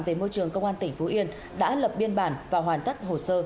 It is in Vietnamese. về môi trường công an tỉnh phú yên đã lập biên bản và hoàn tất hồ sơ